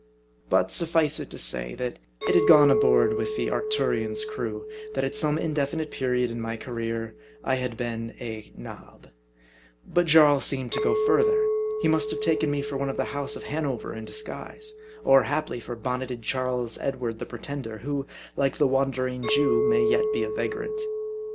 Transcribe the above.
But sufncd it to say, that it had gone abroad among the Arcturion's crew, that at some indefinite period of my ca reer, I had been a " nob." But Jarl seemed to go further. He must have taken me for one of the House of Hanover in disguise ; or, haply, for bonneted Charles Edward the Pretender, who, like the Wandering Jew, may yet be a va grant.